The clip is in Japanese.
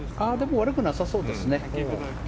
悪くなさそうですね。